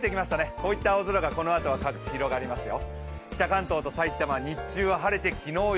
こういった青空がこのあとは各地広がりますよ。